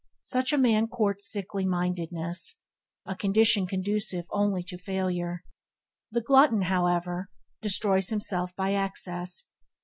Such a man courts sickly mindedness, a condition conducive only to failure. The glutton, however, destroys himself by excess.